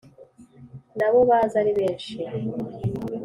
nabo baze ari benshi